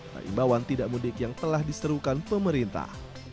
taimbawan tidak mudik yang telah diserukan pemerintah